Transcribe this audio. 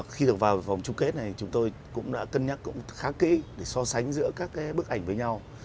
khi được vào vòng chung kết này chúng tôi cũng đã cân nhắc cũng khá kỹ để so sánh giữa các bức ảnh với nhau